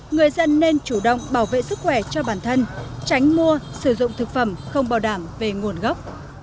người dân nên chủ động bảo vệ sức khỏe cho bản thân tránh mua sử dụng thực phẩm không bảo đảm về nguồn gốc